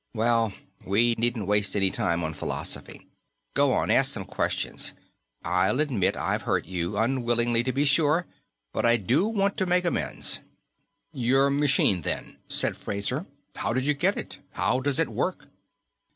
Well, we needn't waste any time on philosophy. Go on, ask some questions. I admit I've hurt you unwittingly, to be sure but I do want to make amends." "Your machine, then," said Fraser. "How did you get it? How does it work."